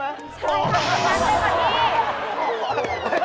ใช่ขับรถกระบ๊ำได้ก่อนนี้